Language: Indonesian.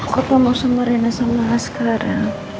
kok kamu sama rena sama askara